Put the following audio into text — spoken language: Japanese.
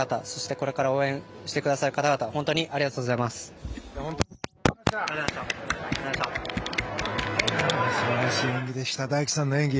これから応援してくださる方々素晴らしい演技でした大輝さんの演技